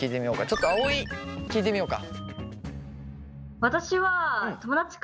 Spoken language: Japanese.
ちょっとあおい聞いてみようか。